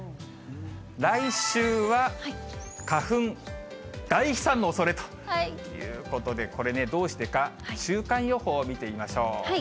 来週は花粉大飛散のおそれということで、これどうしてか、週間予報を見てみましょう。